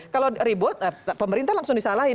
kalau ribut pemerintah langsung disalahin